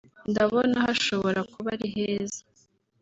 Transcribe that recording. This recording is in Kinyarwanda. Ndabona hashobora kuba ari heza